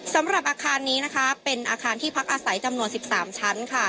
สำหรับอาคารนี้นะคะเป็นอาคารที่พักอาศัยจำนวน๑๓ชั้นค่ะ